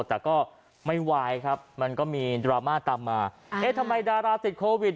แต่ก็ไม่ไหวครับมันก็มีดราม่าตามมาเอ๊ะทำไมดาราติดโควิด